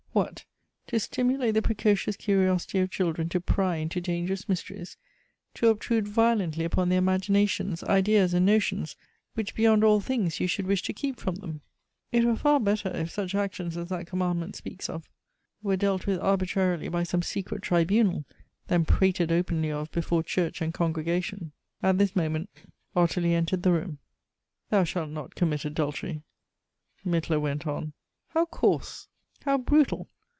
What ! to stimulate the precocious curiosity of children to pry into dangerous mysteries; to obtrude violently upon their imaginations, ideas and notions, which beyond all things you should wish to keep from them ! It were far better if such actions as that commandment speaks of were dealt with arbitrarily by some secret tribunal, than prated openly of before church and congregation " 'Afthis"%6ment"0ttilie entered the room. "' Thou shalt not commit adultery,' ■'— Mittler went on —" IIow coarse ! how brutal